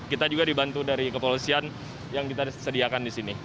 kita juga dibantu dari kepolisian yang kita sediakan di sini